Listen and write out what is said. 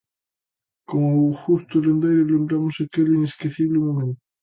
Con Augusto Lendoiro lembramos aquel inesquecible momento.